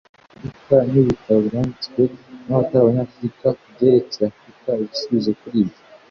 afurika? nibitabo byanditswe nabatari abanyafurika kubyerekeye afrika? ibisubizo kuri ibyo